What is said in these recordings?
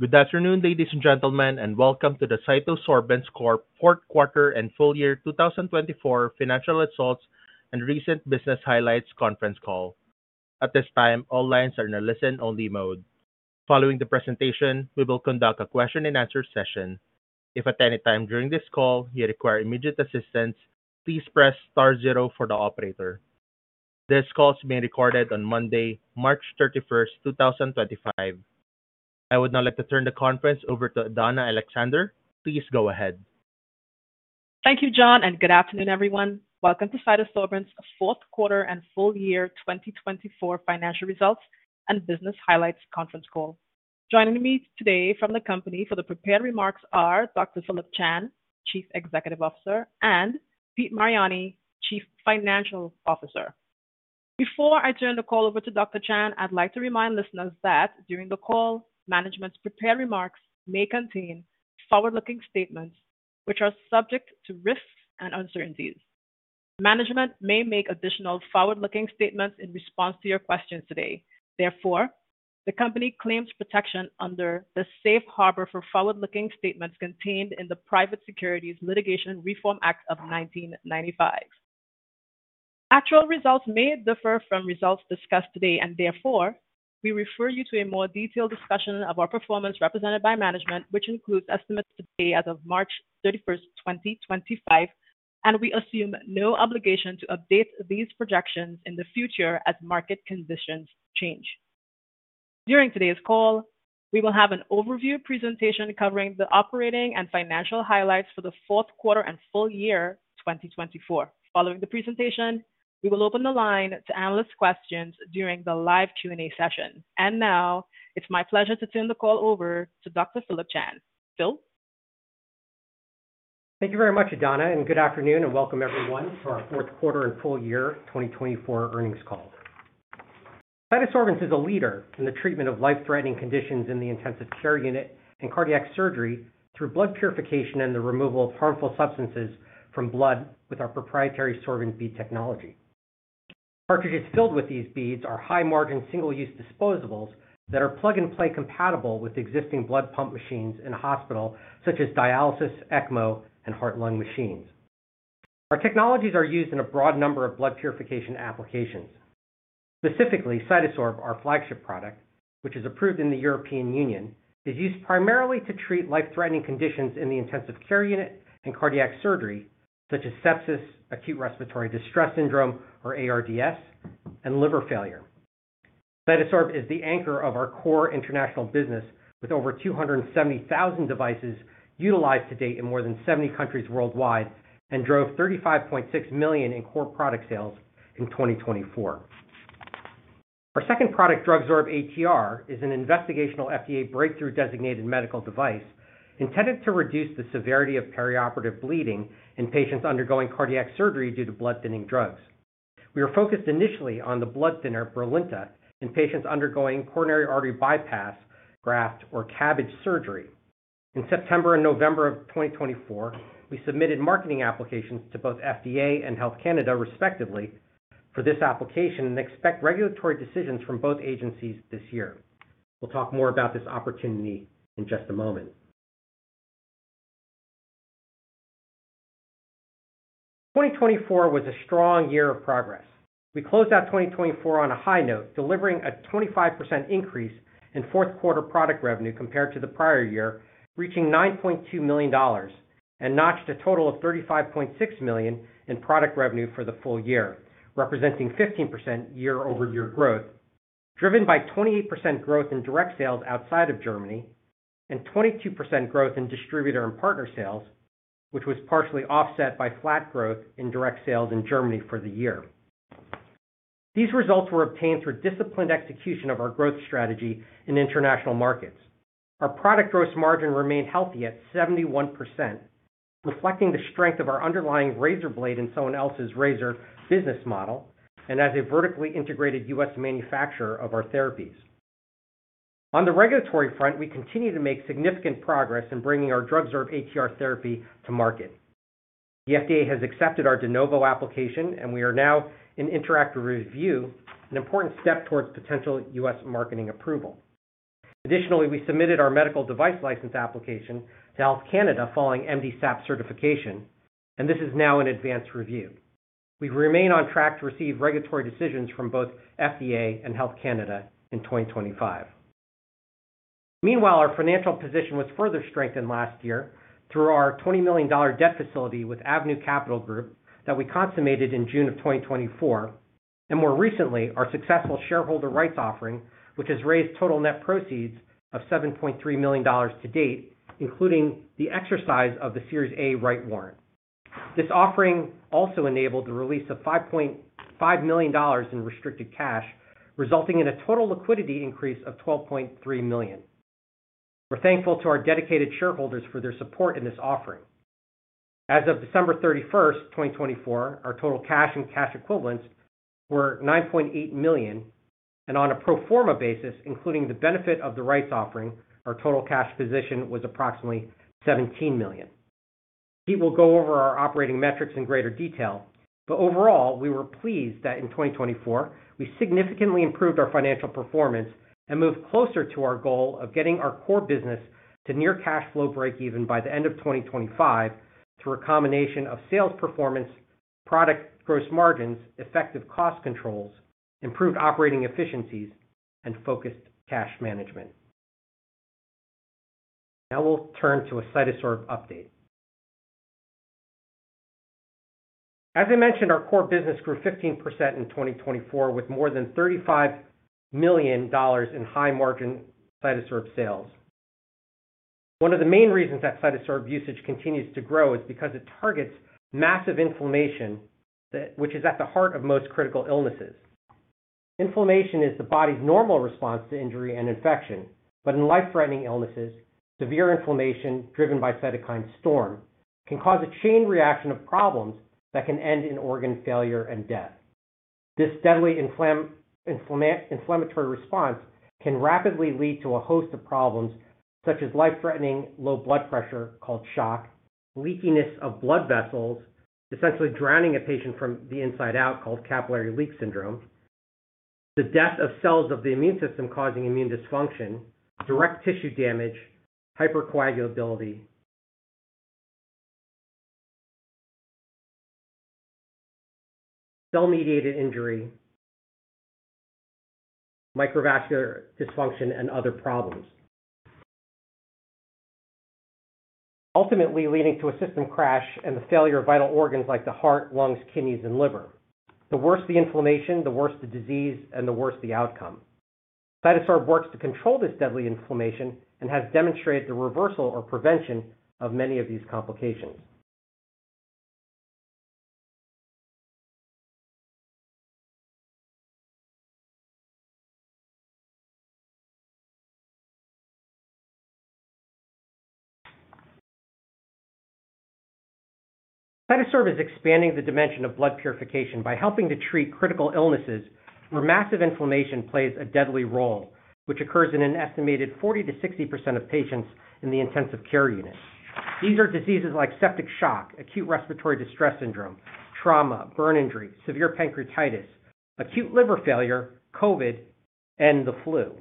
Good afternoon, ladies and gentlemen, and welcome to the CytoSorbents Fourth Quarter and Full Year 2024 Financial Results and Recent Business Highlights Conference Call. At this time, all lines are in a listen-only mode. Following the presentation, we will conduct a question-and-answer session. If at any time during this call you require immediate assistance, please press star zero for the operator. This call is being recorded on Monday, March 31st, 2025. I would now like to turn the conference over to Adanna Alexander. Please go ahead. Thank you, John, and good afternoon, everyone. Welcome to CytoSorbents' Fourth Quarter and Full Year 2024 Financial Results and Business Highlights Conference Call. Joining me today from the company for the prepared remarks are Dr. Phillip Chan, Chief Executive Officer, and Pete Mariani, Chief Financial Officer. Before I turn the call over to Dr. Chan, I'd like to remind listeners that during the call, management's prepared remarks may contain forward-looking statements which are subject to risks and uncertainties. Management may make additional forward-looking statements in response to your questions today. Therefore, the company claims protection under the Safe Harbor for Forward-Looking Statements contained in the Private Securities Litigation Reform Act of 1995. Actual results may differ from results discussed today, and therefore, we refer you to a more detailed discussion of our performance represented by management, which includes estimates today as of March 31st, 2025, and we assume no obligation to update these projections in the future as market conditions change. During today's call, we will have an overview presentation covering the operating and financial highlights for the fourth quarter and full year 2024. Following the presentation, we will open the line to analyst questions during the live Q&A session. It is my pleasure to turn the call over to Dr. Philip Chan. Phil. Thank you very much, Adanna, and good afternoon, and welcome everyone to our fourth quarter and full year 2024 earnings call. CytoSorbents is a leader in the treatment of life-threatening conditions in the intensive care unit and cardiac surgery through blood purification and the removal of harmful substances from blood with our proprietary sorbent bead technology. Cartridges filled with these beads are high-margin, single-use disposables that are plug-and-play compatible with existing blood pump machines in a hospital such as dialysis, ECMO, and heart-lung machines. Our technologies are used in a broad number of blood purification applications. Specifically, CytoSorb, our flagship product, which is approved in the European Union, is used primarily to treat life-threatening conditions in the intensive care unit and cardiac surgery such as sepsis, acute respiratory distress syndrome, or ARDS, and liver failure. CytoSorb is the anchor of our core international business with over 270,000 devices utilized to date in more than 70 countries worldwide and drove $35.6 million in core product sales in 2024. Our second product, DrugSorb-ATR, is an investigational FDA breakthrough designated medical device intended to reduce the severity of perioperative bleeding in patients undergoing cardiac surgery due to blood-thinning drugs. We were focused initially on the blood thinner, BRILINTA, in patients undergoing coronary artery bypass, graft, or CABG surgery. In September and November of 2024, we submitted marketing applications to both FDA and Health Canada, respectively, for this application and expect regulatory decisions from both agencies this year. We'll talk more about this opportunity in just a moment. 2024 was a strong year of progress. We closed out 2024 on a high note, delivering a 25% increase in fourth quarter product revenue compared to the prior year, reaching $9.2 million, and notched a total of $35.6 million in product revenue for the full year, representing 15% year-over-year growth, driven by 28% growth in direct sales outside of Germany and 22% growth in distributor and partner sales, which was partially offset by flat growth in direct sales in Germany for the year. These results were obtained through disciplined execution of our growth strategy in international markets. Our product gross margin remained healthy at 71%, reflecting the strength of our underlying razor blade in someone else's razor business model and as a vertically integrated U.S. manufacturer of our therapies. On the regulatory front, we continue to make significant progress in bringing our DrugSorb-ATR therapy to market. The FDA has accepted our De Novo application, and we are now in interactive review, an important step towards potential U.S. marketing approval. Additionally, we submitted our medical device license application to Health Canada following MDSAP certification, and this is now in advanced review. We remain on track to receive regulatory decisions from both FDA and Health Canada in 2025. Meanwhile, our financial position was further strengthened last year through our $20 million debt facility with Avenue Capital Group that we consummated in June of 2024, and more recently, our successful shareholder rights offering, which has raised total net proceeds of $7.3 million to date, including the exercise of the Series A Warrant. This offering also enabled the release of $5.5 million in restricted cash, resulting in a total liquidity increase of $12.3 million. We're thankful to our dedicated shareholders for their support in this offering. As of December 31st, 2024, our total cash and cash equivalents were $9.8 million, and on a pro forma basis, including the benefit of the rights offering, our total cash position was approximately $17 million. Pete will go over our operating metrics in greater detail, but overall, we were pleased that in 2024, we significantly improved our financial performance and moved closer to our goal of getting our core business to near cash flow break-even by the end of 2025 through a combination of sales performance, product gross margins, effective cost controls, improved operating efficiencies, and focused cash management. Now we will turn to a CytoSorb update. As I mentioned, our core business grew 15% in 2024 with more than $35 million in high-margin CytoSorb sales. One of the main reasons that CytoSorb usage continues to grow is because it targets massive inflammation, which is at the heart of most critical illnesses. Inflammation is the body's normal response to injury and infection, but in life-threatening illnesses, severe inflammation driven by cytokine storm can cause a chain reaction of problems that can end in organ failure and death. This deadly inflammatory response can rapidly lead to a host of problems such as life-threatening low blood pressure called shock, leakiness of blood vessels, essentially drowning a patient from the inside out called capillary leak syndrome, the death of cells of the immune system causing immune dysfunction, direct tissue damage, hypercoagulability, cell-mediated injury, microvascular dysfunction, and other problems, ultimately leading to a system crash and the failure of vital organs like the heart, lungs, kidneys, and liver. The worse the inflammation, the worse the disease, and the worse the outcome. CytoSorb works to control this deadly inflammation and has demonstrated the reversal or prevention of many of these complications. CytoSorb is expanding the dimension of blood purification by helping to treat critical illnesses where massive inflammation plays a deadly role, which occurs in an estimated 40%-60% of patients in the intensive care unit. These are diseases like septic shock, acute respiratory distress syndrome, trauma, burn injury, severe pancreatitis, acute liver failure, COVID, and the flu.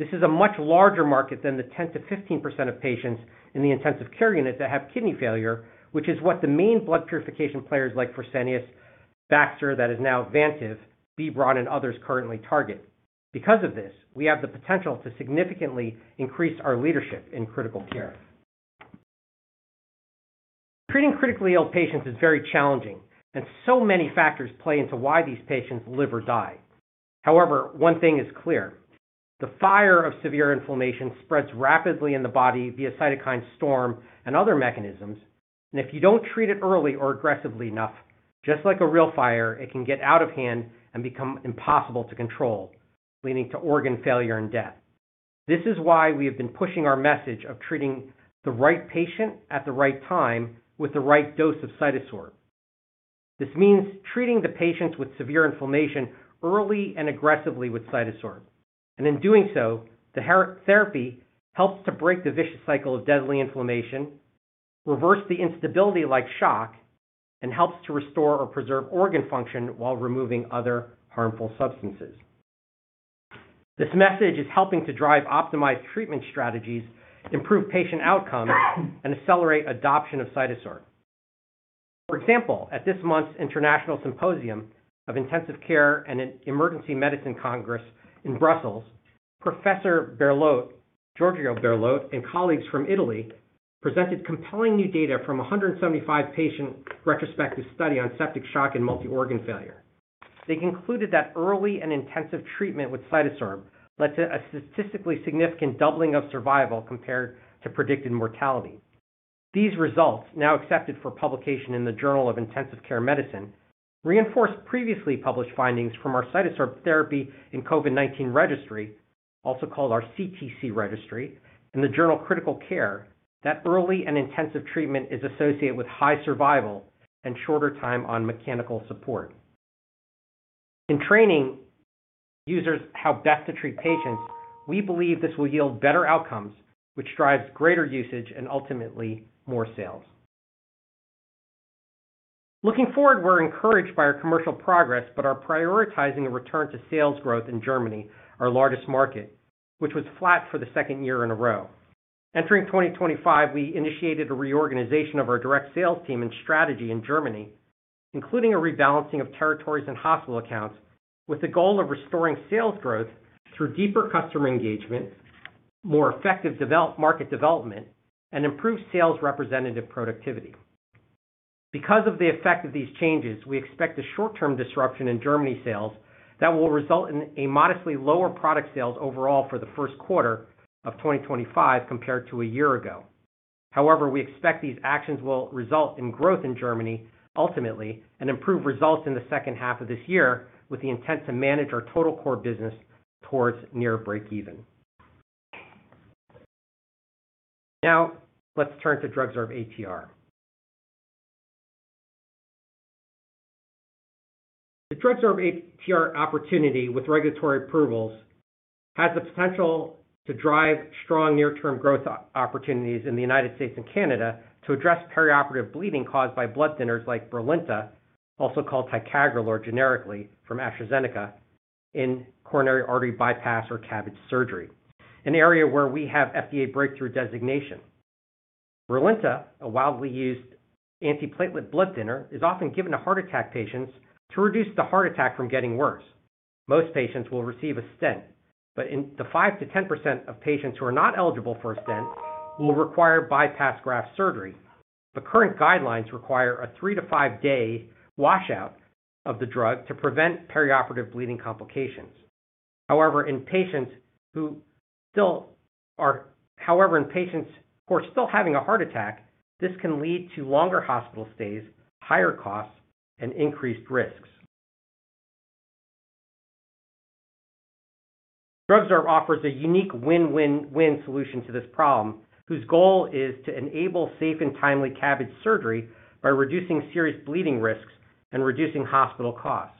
This is a much larger market than the 10%-15% of patients in the intensive care unit that have kidney failure, which is what the main blood purification players like Fresenius, Baxter, that is now Vantive, B. Braun, and others currently target. Because of this, we have the potential to significantly increase our leadership in critical care. Treating critically ill patients is very challenging, and so many factors play into why these patients live or die. However, one thing is clear: the fire of severe inflammation spreads rapidly in the body via cytokine storm and other mechanisms, and if you do not treat it early or aggressively enough, just like a real fire, it can get out of hand and become impossible to control, leading to organ failure and death. This is why we have been pushing our message of treating the right patient at the right time with the right dose of CytoSorb. This means treating the patients with severe inflammation early and aggressively with CytoSorb. In doing so, the therapy helps to break the vicious cycle of deadly inflammation, reverse the instability like shock, and helps to restore or preserve organ function while removing other harmful substances. This message is helping to drive optimized treatment strategies, improve patient outcomes, and accelerate adoption of CytoSorb. For example, at this month's International Symposium of Intensive Care and Emergency Medicine Congress in Brussels, Professor Giorgio Berlot and colleagues from Italy presented compelling new data from a 175-patient retrospective study on septic shock and multi-organ failure. They concluded that early and intensive treatment with CytoSorb led to a statistically significant doubling of survival compared to predicted mortality. These results, now accepted for publication in the Journal of Intensive Care Medicine, reinforce previously published findings from our CytoSorb therapy and COVID-19 registry, also called our CTC registry, and the Journal of Critical Care, that early and intensive treatment is associated with high survival and shorter time on mechanical support. In training users how best to treat patients, we believe this will yield better outcomes, which drives greater usage and ultimately more sales. Looking forward, we're encouraged by our commercial progress, but are prioritizing a return to sales growth in Germany, our largest market, which was flat for the second year in a row. Entering 2025, we initiated a reorganization of our direct sales team and strategy in Germany, including a rebalancing of territories and hospital accounts with the goal of restoring sales growth through deeper customer engagement, more effective market development, and improved sales representative productivity. Because of the effect of these changes, we expect a short-term disruption in Germany sales that will result in a modestly lower product sales overall for the first quarter of 2025 compared to a year ago. However, we expect these actions will result in growth in Germany ultimately and improve results in the second half of this year with the intent to manage our total core business towards near break-even. Now, let's turn to DrugSorb-ATR. The DrugSorb-ATR opportunity with regulatory approvals has the potential to drive strong near-term growth opportunities in the United States and Canada to address perioperative bleeding caused by blood thinners like BRILINTA, also called ticagrelor generically from AstraZeneca, in coronary artery bypass or CABG surgery, an area where we have FDA breakthrough designation. BRILINTA, a widely used antiplatelet blood thinner, is often given to heart attack patients to reduce the heart attack from getting worse. Most patients will receive a stent, but the 5%-10% of patients who are not eligible for a stent will require bypass graft surgery. The current guidelines require a three- to five-day washout of the drug to prevent perioperative bleeding complications. However, in patients who are still having a heart attack, this can lead to longer hospital stays, higher costs, and increased risks. DrugSorb offers a unique win-win-win solution to this problem, whose goal is to enable safe and timely CABG surgery by reducing serious bleeding risks and reducing hospital costs.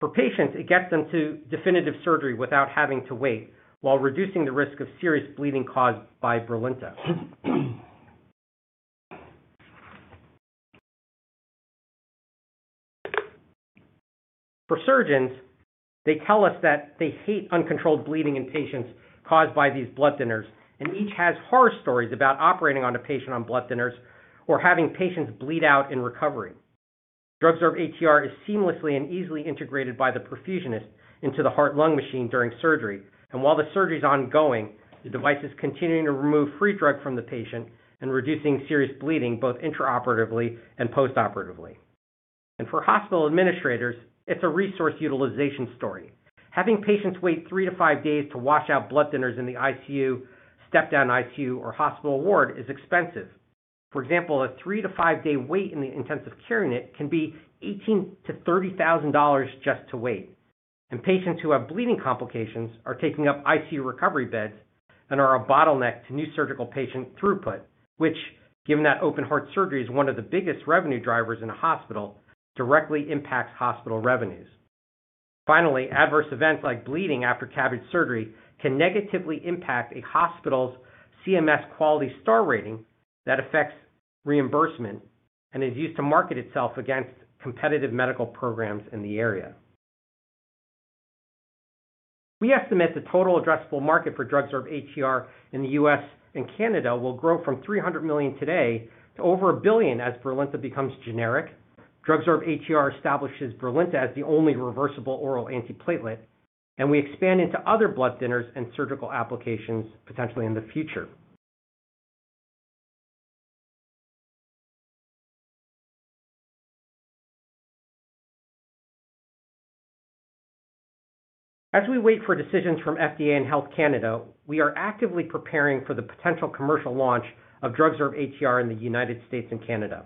For patients, it gets them to definitive surgery without having to wait while reducing the risk of serious bleeding caused by BRILINTA. For surgeons, they tell us that they hate uncontrolled bleeding in patients caused by these blood thinners, and each has horror stories about operating on a patient on blood thinners or having patients bleed out in recovery. DrugSorb-ATR is seamlessly and easily integrated by the perfusionist into the heart-lung machine during surgery, and while the surgery is ongoing, the device is continuing to remove free drug from the patient and reducing serious bleeding both intraoperatively and postoperatively. For hospital administrators, it's a resource utilization story. Having patients wait three to five days to wash out blood thinners in the ICU to, step-down ICU, or hospital ward is expensive. For example, a three- to five-day wait in the intensive care unit can be $18,000 to $30,000 just to wait. Patients who have bleeding complications are taking up ICU recovery beds and are a bottleneck to new surgical patient throughput, which, given that open heart surgery is one of the biggest revenue drivers in a hospital, directly impacts hospital revenues. Finally, adverse events like bleeding after CABG surgery can negatively impact a hospital's CMS quality star rating that affects reimbursement and is used to market itself against competitive medical programs in the area. We estimate the total addressable market for DrugSorb-ATR in the U.S. and Canada will grow from $300 million today to over $1 billion as BRILINTA becomes generic. DrugSorb-ATR establishes BRILINTA as the only reversible oral antiplatelet, and we expand into other blood thinners and surgical applications potentially in the future. As we wait for decisions from FDA and Health Canada, we are actively preparing for the potential commercial launch of DrugSorb-ATR in the United States and Canada.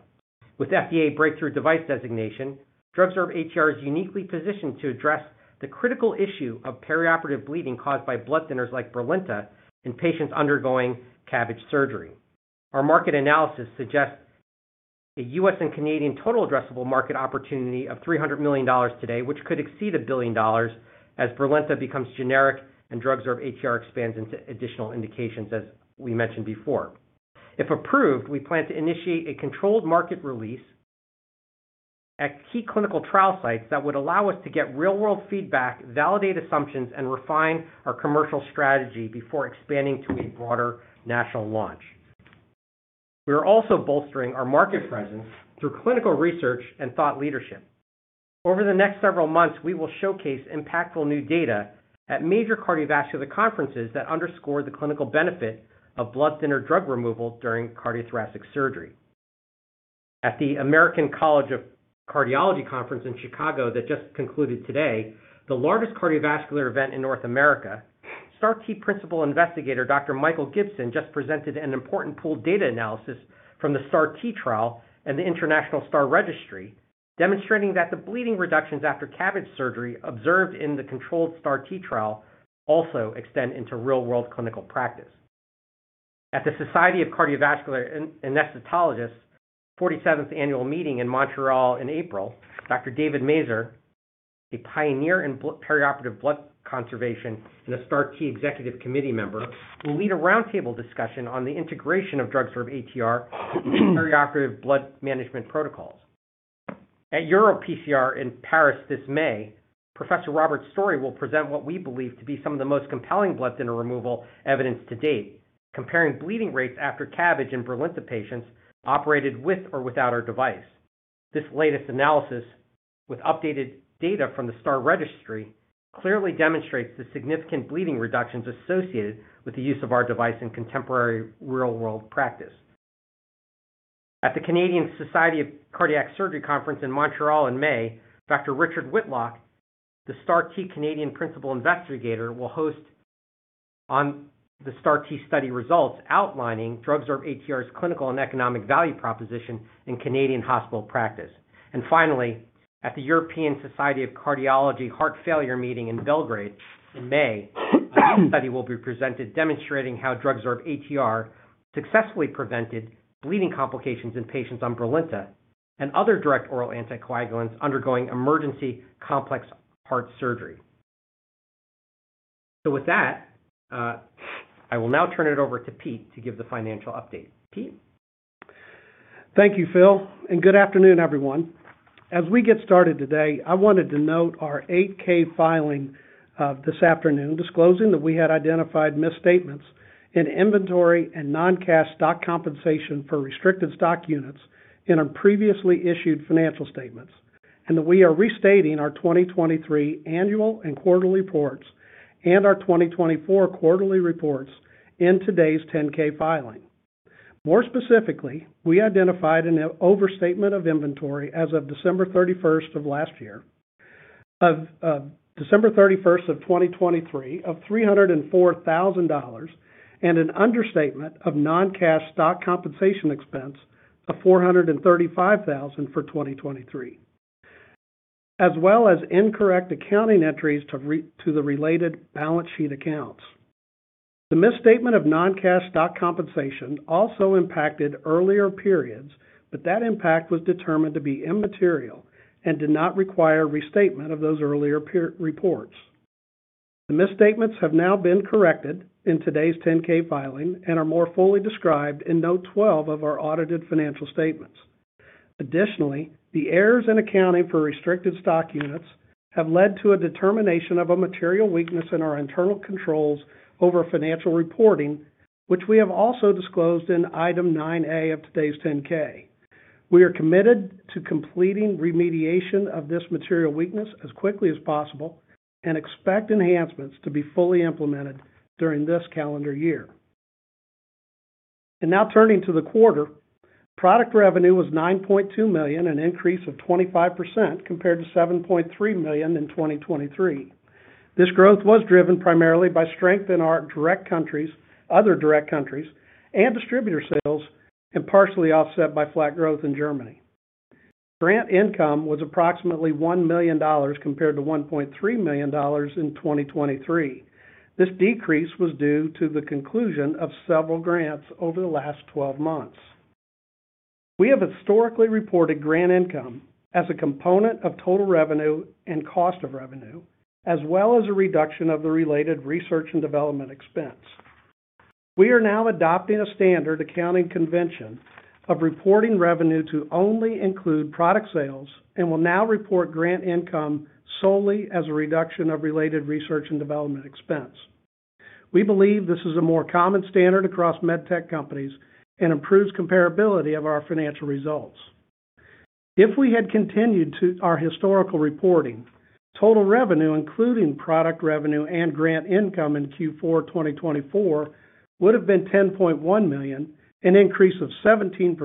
With FDA breakthrough device designation DrugSorb-ATR is uniquely positioned to address the critical issue of perioperative bleeding caused by blood thinners like BRILINTA in patients undergoing CABG surgery. Our market analysis suggests a U.S. and Canadian total addressable market opportunity of $300 million today, which could exceed a billion dollars as BRILINTA becomes generic and DrugSorb-ATR expands into additional indications, as we mentioned before. If approved, we plan to initiate a controlled market release at key clinical trial sites that would allow us to get real-world feedback, validate assumptions, and refine our commercial strategy before expanding to a broader national launch. We are also bolstering our market presence through clinical research and thought leadership. Over the next several months, we will showcase impactful new data at major cardiovascular conferences that underscore the clinical benefit of blood thinner drug removal during cardiothoracic surgery. At the American College of Cardiology Conference in Chicago that just concluded today, the largest cardiovascular event in North America, STAR-T principal investigator Dr. Michael Gibson just presented an important pooled data analysis from the STAR-T trial and the International STAR Registry, demonstrating that the bleeding reductions after CABG surgery observed in the controlled STAR-T trial also extend into real-world clinical practice. At the Society of Cardiovascular Anesthesiologists' 47th annual meeting in Montreal in April, Dr. David Mazer, a pioneer in perioperative blood conservation and a STAR-T executive committee member, will lead a roundtable discussion on the integration of DrugSorb-ATR and perioperative blood management protocols. At EuroPCR in Paris this May, Professor Robert Storey will present what we believe to be some of the most compelling blood thinner removal evidence to date, comparing bleeding rates after CABG in BRILINTA patients operated with or without our device. This latest analysis, with updated data from the STAR Registry, clearly demonstrates the significant bleeding reductions associated with the use of our device in contemporary real-world practice. At the Canadian Society of Cardiac Surgery Conference in Montreal in May, Dr. Richard Whitlock, the STAR-T Canadian principal investigator, will host on the STAR-T study results outlining DrugSorb-ATR's clinical and economic value proposition in Canadian hospital practice. Finally, at the European Society of Cardiology Heart Failure meeting in Belgrade in May, a study will be presented demonstrating how DrugSorb-ATR successfully prevented bleeding complications in patients on BRILINTA and other direct oral anticoagulants undergoing emergency complex heart surgery. With that, I will now turn it over to Pete to give the financial update. Pete. Thank you, Phil, and good afternoon, everyone. As we get started today, I wanted to note our 8-K filing this afternoon, disclosing that we had identified misstatements in inventory and non-cash stock compensation for restricted stock units in our previously issued financial statements, and that we are restating our 2023 annual and quarterly reports and our 2024 quarterly reports in today's 10-K filing. More specifically, we identified an overstatement of inventory as of December 31st of last year, of December 31st of 2023, of $304,000, and an understatement of non-cash stock compensation expense of $435,000 for 2023, as well as incorrect accounting entries to the related balance sheet accounts. The misstatement of non-cash stock compensation also impacted earlier periods, but that impact was determined to be immaterial and did not require restatement of those earlier reports. The misstatements have now been corrected in today's 10-K filing and are more fully described in note 12 of our audited financial statements. Additionally, the errors in accounting for restricted stock units have led to a determination of a material weakness in our internal controls over financial reporting, which we have also disclosed in Item 9A of today's 10-K. We are committed to completing remediation of this material weakness as quickly as possible and expect enhancements to be fully implemented during this calendar year. Now turning to the quarter, product revenue was $9.2 million, an increase of 25% compared to $7.3 million in 2023. This growth was driven primarily by strength in our direct countries, other direct countries, and distributor sales, and partially offset by flat growth in Germany. Grant income was approximately $1 million compared to $1.3 million in 2023. This decrease was due to the conclusion of several grants over the last 12 months. We have historically reported grant income as a component of total revenue and cost of revenue, as well as a reduction of the related research and development expense. We are now adopting a standard accounting convention of reporting revenue to only include product sales and will now report grant income solely as a reduction of related research and development expense. We believe this is a more common standard across medTech companies and improves comparability of our financial results. If we had continued our historical reporting, total revenue, including product revenue and grant income in Q4 2024, would have been $10.1 million, an increase of 17%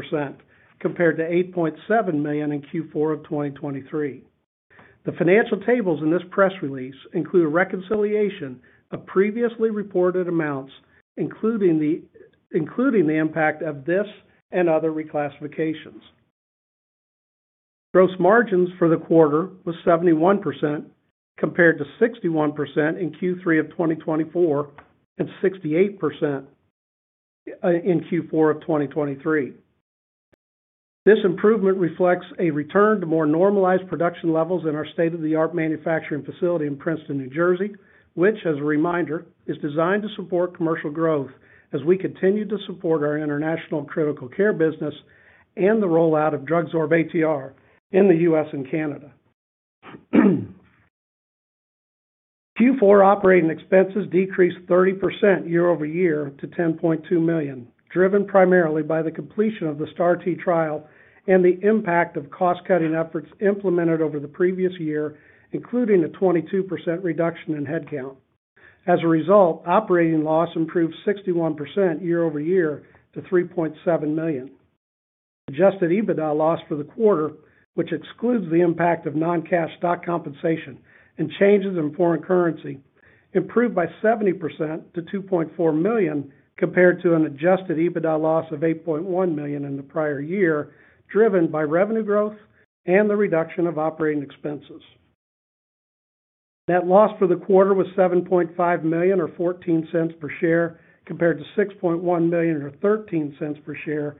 compared to $8.7 million in Q4 of 2023. The financial tables in this press release include a reconciliation of previously reported amounts, including the impact of this and other reclassifications. Gross margins for the quarter were 71% compared to 61% in Q3 of 2024 and 68% in Q4 of 2023. This improvement reflects a return to more normalized production levels in our state-of-the-art manufacturing facility in Princeton, New Jersey, which, as a reminder, is designed to support commercial growth as we continue to support our international critical care business and the rollout of DrugSorb-ATR in the U.S. and Canada. Q4 operating expenses decreased 30% year over year to $10.2 million, driven primarily by the completion of the STAR-T trial and the impact of cost-cutting efforts implemented over the previous year, including a 22% reduction in headcount. As a result, operating loss improved 61% year over year to $3.7 million. Adjusted EBITDA loss for the quarter, which excludes the impact of non-cash stock compensation and changes in foreign currency, improved by 70% to $2.4 million compared to an Adjusted EBITDA loss of $8.1 million in the prior year, driven by revenue growth and the reduction of operating expenses. Net loss for the quarter was $7.5 million, or $0.14 per share, compared to $6.1 million, or $0.13 per share,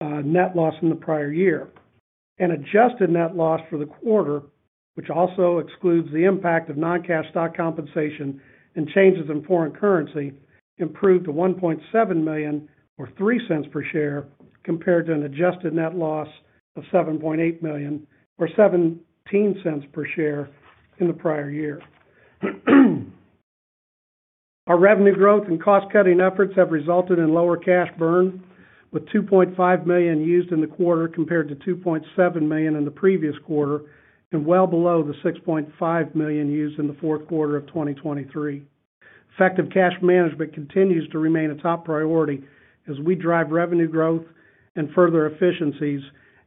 net loss in the prior year. Adjusted net loss for the quarter, which also excludes the impact of non-cash stock compensation and changes in foreign currency, improved to $1.7 million, or $0.03 per share, compared to an adjusted net loss of $7.8 million, or $0.17 per share in the prior year. Our revenue growth and cost-cutting efforts have resulted in lower cash burn, with $2.5 million used in the quarter compared to $2.7 million in the previous quarter, and well below the $6.5 million used in the fourth quarter of 2023. Effective cash management continues to remain a top priority as we drive revenue growth and further efficiencies,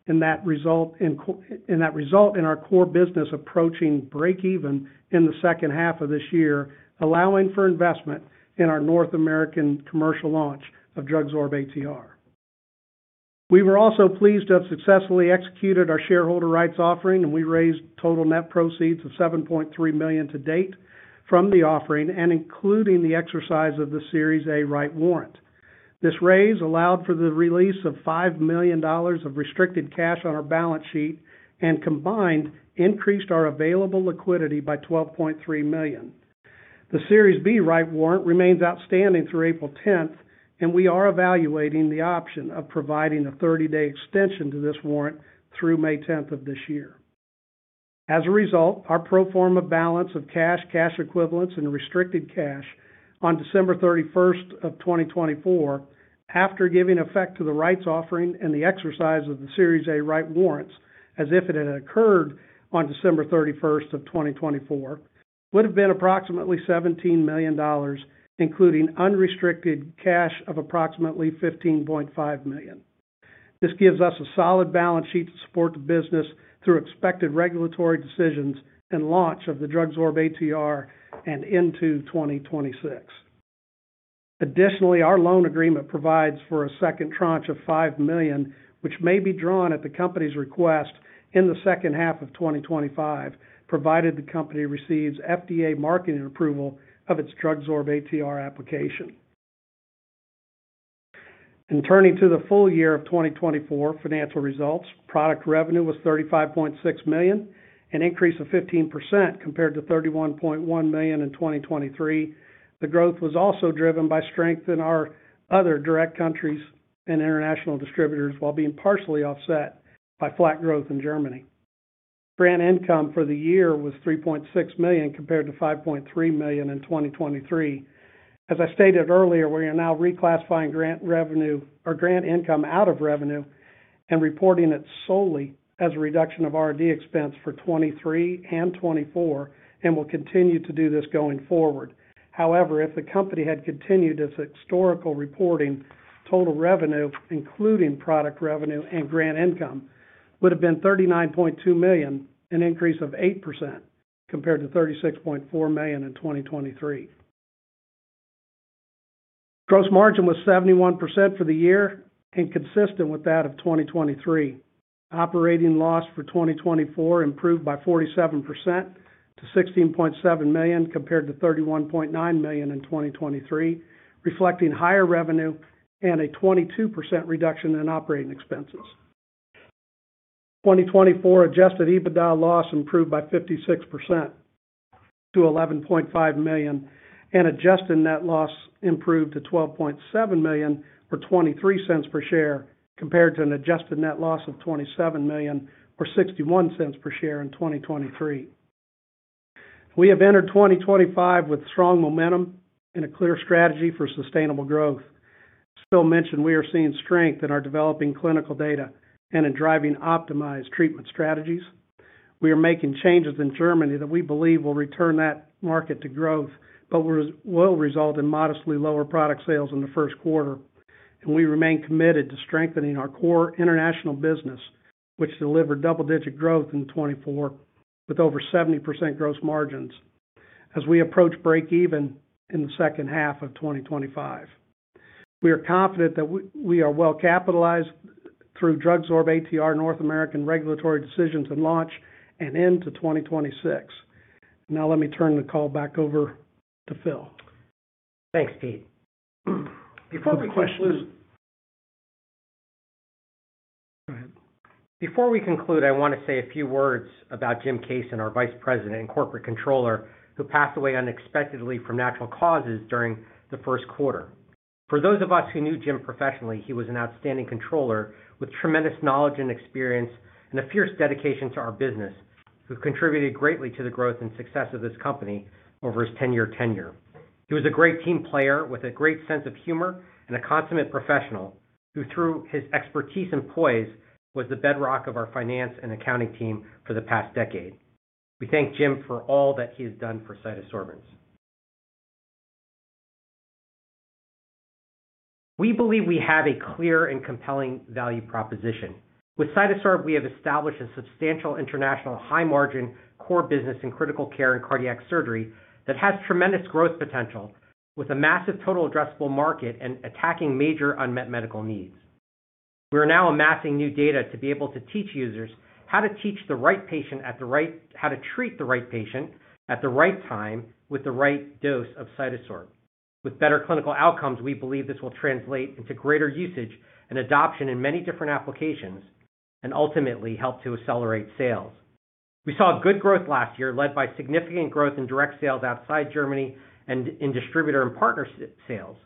and that result in our core business approaching break-even in the second half of this year, allowing for investment in our North American commercial launch of DrugSorb-ATR. We were also pleased to have successfully executed our shareholder rights offering, and we raised total net proceeds of $7.3 million to date from the offering, including the exercise of the Series A Warrant. This raise allowed for the release of $5 million of restricted cash on our balance sheet and combined increased our available liquidity by $12.3 million. The Series B Warrant remains outstanding through April 10th, and we are evaluating the option of providing a 30-day extension to this warrant through May 10th of this year. As a result, our pro forma balance of cash, cash equivalents, and restricted cash on December 31st of 2024, after giving effect to the rights offering and the exercise of the Series A Warrants as if it had occurred on December 31st of 2024, would have been approximately $17 million, including unrestricted cash of approximately $15.5 million. This gives us a solid balance sheet to support the business through expected regulatory decisions and launch of the DrugSorb-ATR and into 2026. Additionally, our loan agreement provides for a second tranche of $5 million, which may be drawn at the company's request in the second half of 2025, provided the company receives FDA marketing approval of its DrugSorb-ATR application. Turning to the full year of 2024 financial results, product revenue was $35.6 million, an increase of 15% compared to $31.1 million in 2023. The growth was also driven by strength in our other direct countries and international distributors, while being partially offset by flat growth in Germany. Grant income for the year was $3.6 million compared to $5.3 million in 2023. As I stated earlier, we are now reclassifying grant revenue or grant income out of revenue and reporting it solely as a reduction of R&D expense for 2023 and 2024, and will continue to do this going forward. However, if the company had continued its historical reporting, total revenue, including product revenue and grant income, would have been $39.2 million, an increase of 8% compared to $36.4 million in 2023. Gross margin was 71% for the year and consistent with that of 2023. Operating loss for 2024 improved by 47% to $16.7 million compared to $31.9 million in 2023, reflecting higher revenue and a 22% reduction in operating expenses. 2024 Adjusted EBITDA loss improved by 56% to $11.5 million, and adjusted net loss improved to $12.7 million, or $0.23 per share, compared to an adjusted net loss of $27 million, or $0.61 per share in 2023. We have entered 2025 with strong momentum and a clear strategy for sustainable growth. Phil mentioned we are seeing strength in our developing clinical data and in driving optimized treatment strategies. We are making changes in Germany that we believe will return that market to growth, which will result in modestly lower product sales in the first quarter. We remain committed to strengthening our core international business, which delivered double-digit growth in 2024 with over 70% gross margins as we approach break-even in the second half of 2025. We are confident that we are well capitalized through DrugSorb-ATR North American regulatory decisions and launch and into 2026. Now let me turn the call back over to Phil. Thanks, Pete. Before we conclude. Go ahead. Before we conclude, I want to say a few words about Jim Cassen, our Vice President and Corporate Controller, who passed away unexpectedly from natural causes during the first quarter. For those of us who knew Jim professionally, he was an outstanding controller with tremendous knowledge and experience and a fierce dedication to our business, who contributed greatly to the growth and success of this company over his 10-year tenure. He was a great team player with a great sense of humor and a consummate professional who, through his expertise and poise, was the bedrock of our finance and accounting team for the past decade. We thank Jim for all that he has done for CytoSorbents. We believe we have a clear and compelling value proposition. With CytoSorb, we have established a substantial international high-margin core business in critical care and cardiac surgery that has tremendous growth potential with a massive total addressable market and attacking major unmet medical needs. We are now amassing new data to be able to teach users how to treat the right patient at the right time with the right dose of CytoSorb. With better clinical outcomes, we believe this will translate into greater usage and adoption in many different applications and ultimately help to accelerate sales. We saw good growth last year, led by significant growth in direct sales outside Germany and in distributor and partner sales.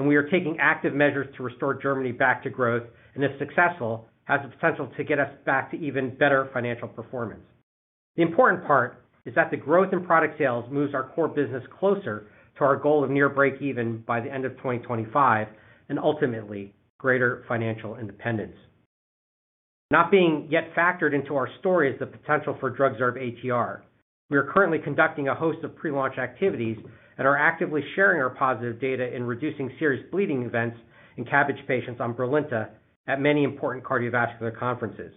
We are taking active measures to restore Germany back to growth, and if successful, has the potential to get us back to even better financial performance. The important part is that the growth in product sales moves our core business closer to our goal of near break-even by the end of 2025 and ultimately greater financial independence. Not being yet factored into our story is the potential for DrugSorb-ATR. We are currently conducting a host of pre-launch activities and are actively sharing our positive data in reducing serious bleeding events in CABG patients on BRILINTA at many important cardiovascular conferences.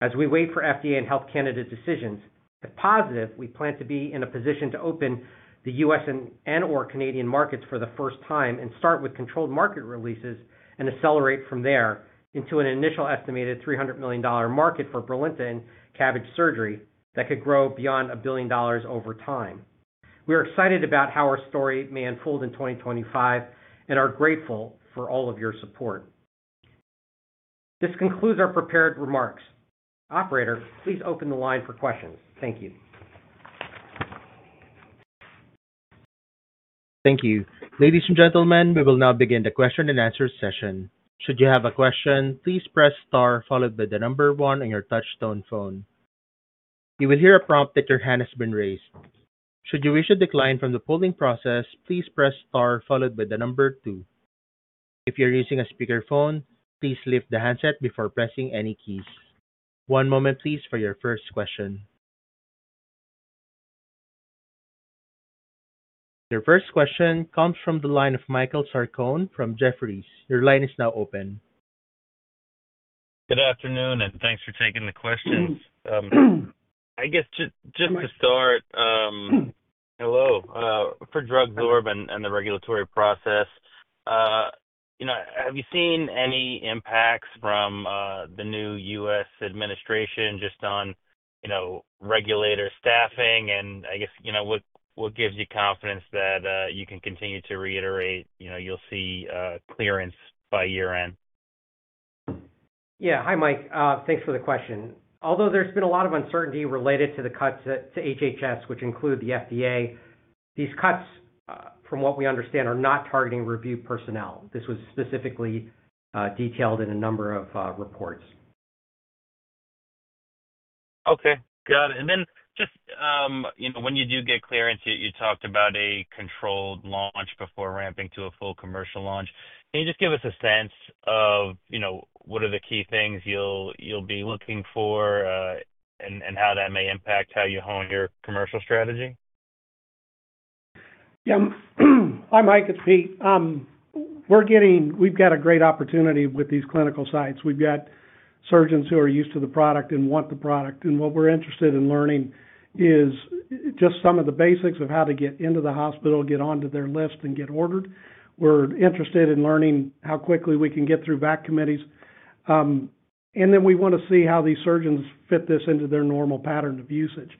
As we wait for FDA and Health Canada decisions, if positive, we plan to be in a position to open the U.S. and/or Canadian markets for the first time and start with controlled market releases and accelerate from there into an initial estimated $300 million market for BRILINTA and CABG surgery that could grow beyond $1 billion over time. We are excited about how our story may unfold in 2025 and are grateful for all of your support. This concludes our prepared remarks. Operator, please open the line for questions. Thank you. Thank you. Ladies and gentlemen, we will now begin the question and answer session. Should you have a question, please press star followed by the number one on your touchstone phone. You will hear a prompt that your hand has been raised. Should you wish to decline from the polling process, please press star followed by the number two. If you're using a speakerphone, please lift the handset before pressing any keys. One moment, please, for your first question. Your first question comes from the line of Michael Sarcone from Jefferies. Your line is now open. Good afternoon, and thanks for taking the questions. I guess just to start, hello for DrugSorb and the regulatory process. Have you seen any impacts from the new U.S. administration just on regulator staffing? I guess what gives you confidence that you can continue to reiterate you'll see clearance by year-end? Yeah. Hi, Mike. Thanks for the question. Although there's been a lot of uncertainty related to the cuts to HHS, which include the FDA, these cuts, from what we understand, are not targeting review personnel. This was specifically detailed in a number of reports. Okay. Got it. When you do get clearance, you talked about a controlled launch before ramping to a full commercial launch. Can you just give us a sense of what are the key things you'll be looking for and how that may impact how you hone your commercial strategy? Yeah. Hi, Mike. It's Pete. We've got a great opportunity with these clinical sites. We've got surgeons who are used to the product and want the product. What we're interested in learning is just some of the basics of how to get into the hospital, get onto their list, and get ordered. We're interested in learning how quickly we can get through VAC committees. We want to see how these surgeons fit this into their normal pattern of usage.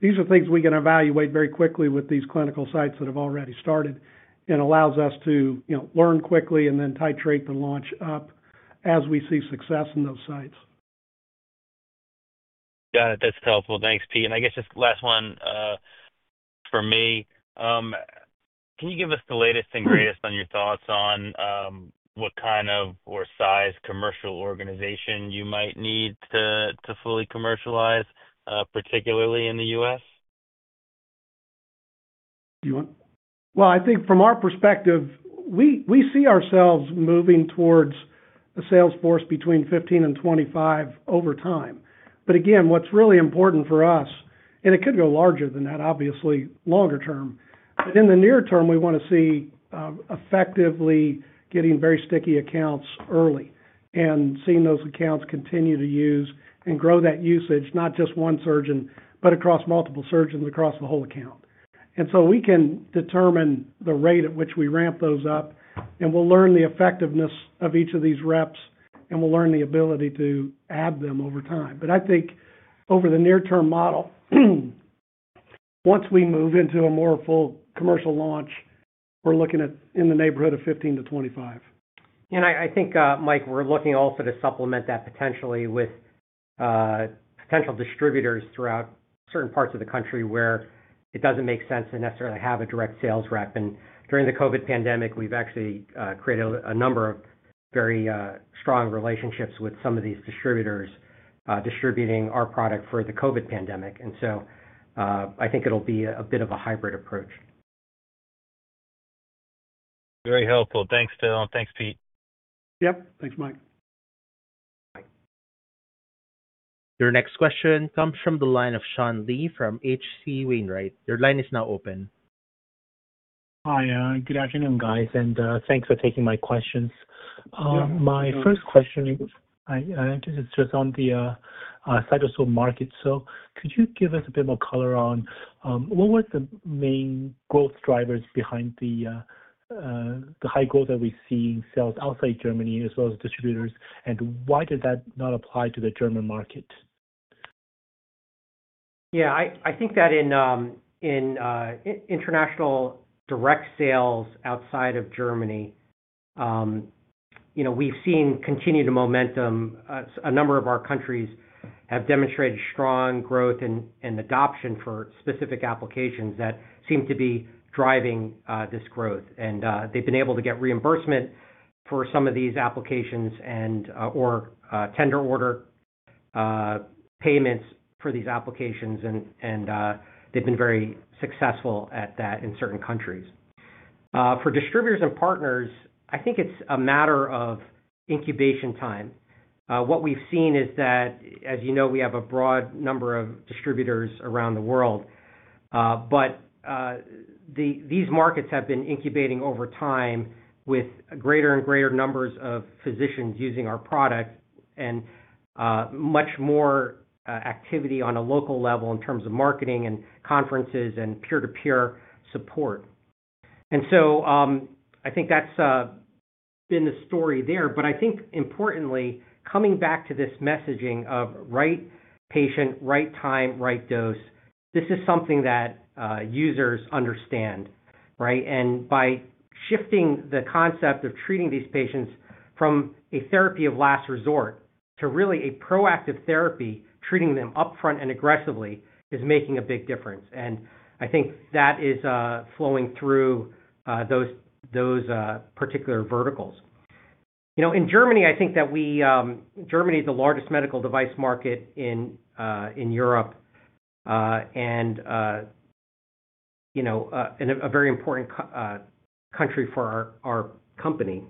These are things we can evaluate very quickly with these clinical sites that have already started and allows us to learn quickly and then titrate the launch up as we see success in those sites. Got it. That's helpful. Thanks, Pete. I guess just last one for me. Can you give us the latest and greatest on your thoughts on what kind of or size commercial organization you might need to fully commercialize, particularly in the U.S.? Do you want? I think from our perspective, we see ourselves moving towards a sales force between 15 and 25 over time. Again, what's really important for us, and it could go larger than that, obviously, longer term. In the near term, we want to see effectively getting very sticky accounts early and seeing those accounts continue to use and grow that usage, not just one surgeon, but across multiple surgeons across the whole account. We can determine the rate at which we ramp those up, and we'll learn the effectiveness of each of these reps, and we'll learn the ability to add them over time. I think over the near-term model, once we move into a more full commercial launch, we're looking at in the neighborhood of 15 to 25. I think, Mike, we're looking also to supplement that potentially with potential distributors throughout certain parts of the country where it does not make sense to necessarily have a direct sales rep. During the COVID pandemic, we actually created a number of very strong relationships with some of these distributors distributing our product for the COVID pandemic. I think it will be a bit of a hybrid approach. Very helpful. Thanks, Phil. Thanks, Pete. Yep. Thanks, Mike. Bye. Your next question comes from the line of Sean Lee from H.C. Wainwright. Your line is now open. Hi. Good afternoon, guys. Thanks for taking my questions. My first question is just on the CytoSorb market. Could you give us a bit more color on what were the main growth drivers behind the high growth that we see in sales outside Germany as well as distributors, and why did that not apply to the German market? Yeah. I think that in international direct sales outside of Germany, we've seen continued momentum. A number of our countries have demonstrated strong growth and adoption for specific applications that seem to be driving this growth. They've been able to get reimbursement for some of these applications and/or tender order payments for these applications, and they've been very successful at that in certain countries. For distributors and partners, I think it's a matter of incubation time. What we've seen is that, as you know, we have a broad number of distributors around the world. These markets have been incubating over time with greater and greater numbers of physicians using our product and much more activity on a local level in terms of marketing and conferences and peer-to-peer support. I think that's been the story there. I think, importantly, coming back to this messaging of right patient, right time, right dose, this is something that users understand. By shifting the concept of treating these patients from a therapy of last resort to really a proactive therapy, treating them upfront and aggressively is making a big difference. I think that is flowing through those particular verticals. In Germany, I think that we Germany is the largest medical device market in Europe and a very important country for our company.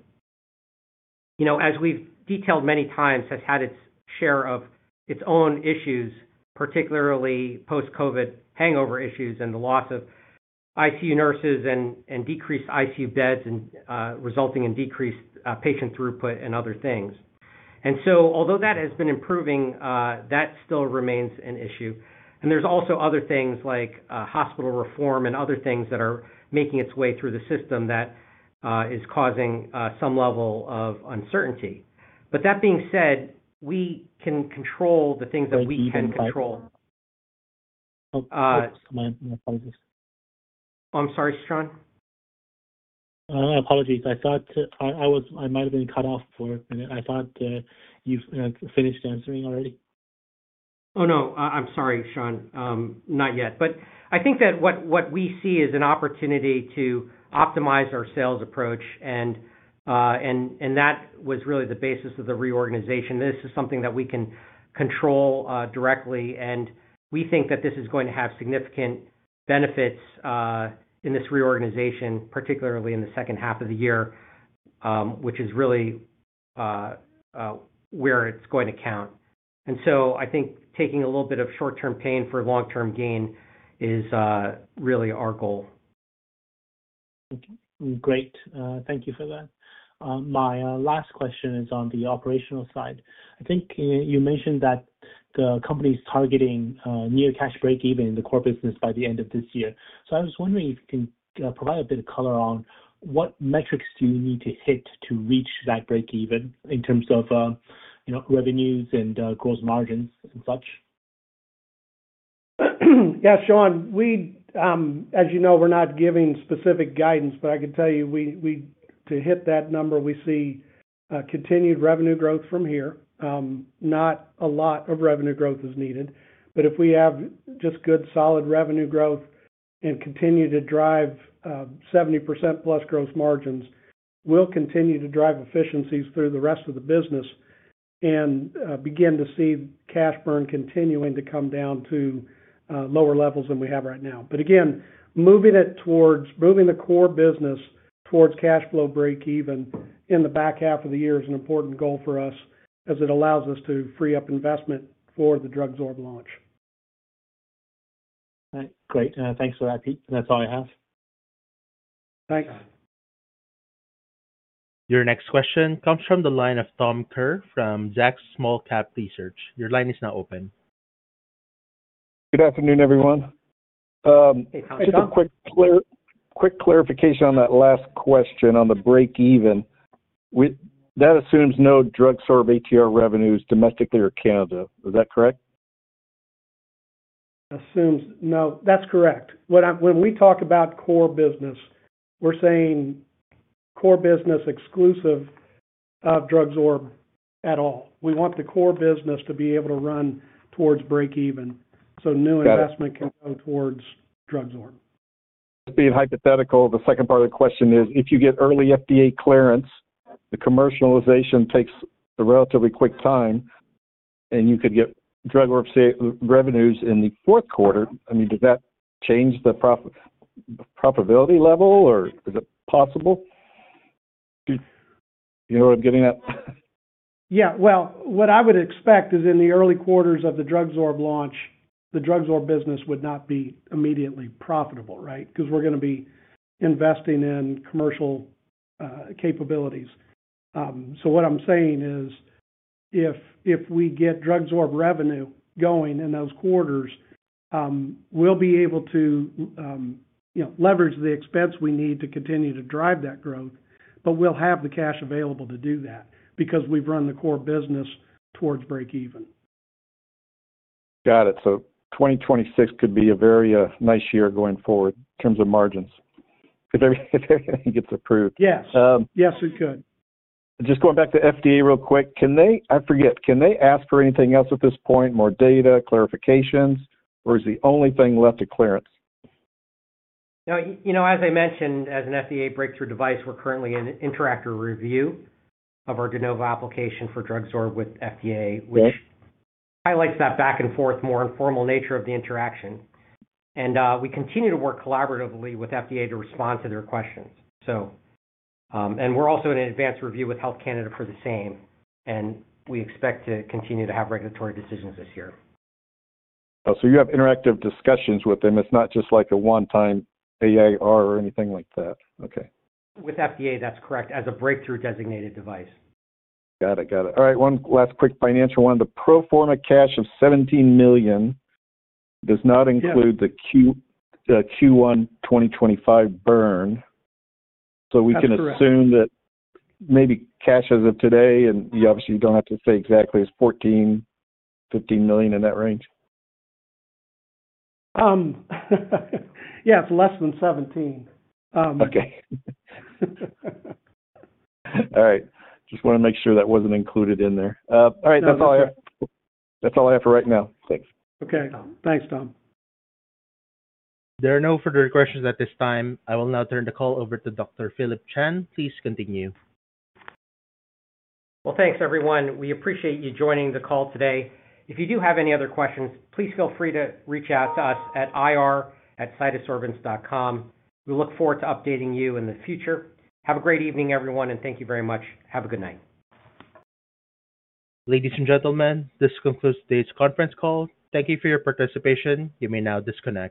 As we've detailed many times, has had its share of its own issues, particularly post-COVID hangover issues and the loss of ICU nurses and decreased ICU beds, resulting in decreased patient throughput and other things. Although that has been improving, that still remains an issue. There are also other things like hospital reform and other things that are making its way through the system that is causing some level of uncertainty. That being said, we can control the things that we can control. I'm sorry, Sean. My apologies. I thought I might have been cut off for a minute. I thought you finished answering already. Oh, no. I'm sorry, Sean. Not yet. I think that what we see is an opportunity to optimize our sales approach, and that was really the basis of the reorganization. This is something that we can control directly. We think that this is going to have significant benefits in this reorganization, particularly in the second half of the year, which is really where it's going to count. I think taking a little bit of short-term pain for long-term gain is really our goal. Great. Thank you for that. My last question is on the operational side. I think you mentioned that the company is targeting near cash break-even in the core business by the end of this year. I was wondering if you can provide a bit of color on what metrics you need to hit to reach that break-even in terms of revenues and gross margins and such? Yeah. Sean, as you know, we're not giving specific guidance, but I can tell you to hit that number, we see continued revenue growth from here. Not a lot of revenue growth is needed. If we have just good solid revenue growth and continue to drive 70% plus gross margins, we'll continue to drive efficiencies through the rest of the business and begin to see cash burn continuing to come down to lower levels than we have right now. Again, moving the core business towards cash flow break-even in the back half of the year is an important goal for us as it allows us to free up investment for the DrugSorb launch. Great. Thanks for that, Pete. That's all I have. Thanks. Your next question comes from the line of Tom Kerr from Zacks Small Cap Research. Your line is now open. Good afternoon, everyone. Just a quick clarification on that last question on the break-even. That assumes no DrugSorb-ATR revenues domestically or Canada. Is that correct? Assumes. No, that's correct. When we talk about core business, we're saying core business exclusive of DrugSorb at all. We want the core business to be able to run towards break-even so new investment can go towards DrugSorb. Just being hypothetical, the second part of the question is, if you get early FDA clearance, the commercialization takes a relatively quick time, and you could get DrugSorb revenues in the fourth quarter. I mean, does that change the profitability level, or is it possible? Do you know what I'm getting at? Yeah. What I would expect is in the early quarters of the DrugSorb launch, the DrugSorb business would not be immediately profitable, right? Because we're going to be investing in commercial capabilities. What I'm saying is if we get DrugSorb revenue going in those quarters, we'll be able to leverage the expense we need to continue to drive that growth, but we'll have the cash available to do that because we've run the core business towards break-even. Got it. 2026 could be a very nice year going forward in terms of margins if everything gets approved. Yes. Yes, it could. Just going back to FDA real quick, I forget. Can they ask for anything else at this point, more data, clarifications, or is the only thing left to clearance? Now, as I mentioned, as an FDA breakthrough device, we're currently in interactive review of our de novo application for DrugSorb with FDA, which highlights that back-and-forth, more informal nature of the interaction. We continue to work collaboratively with FDA to respond to their questions. We are also in advanced review with Health Canada for the same. We expect to continue to have regulatory decisions this year. You have interactive discussions with them. It is not just like a one-time AIR or anything like that. Okay. With FDA, that is correct, as a breakthrough designated device. Got it. Got it. All right. One last quick financial one. The pro forma cash of $17 million does not include the Q1 2025 burn. We can assume that maybe cash as of today, and obviously, you do not have to say exactly, is $14 to $15 million in that range? Yeah. It is less than $17 million. Okay. All right. Just wanted to make sure that was not included in there. All right. That is all I have for right now. Thanks. Okay. Thanks, Tom. There are no further questions at this time. I will now turn the call over to Dr. Thanks, everyone. We appreciate you joining the call today. If you do have any other questions, please feel free to reach out to us at ir@cytosorbents.com. We look forward to updating you in the future. Have a great evening, everyone, and thank you very much. Have a good night. Ladies and gentlemen, this concludes today's conference call. Thank you for your participation. You may now disconnect.